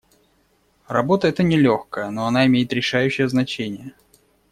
Работа эта нелегкая, но она имеет решающее значение.